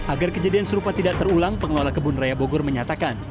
agar kejadian serupa tidak terulang pengelola kebun raya bogor menyatakan